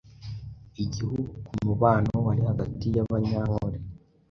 Igihu ku mubano wari hagati y’AbanyankoLe